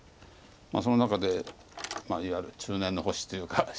その中でいわゆる中年の星というか。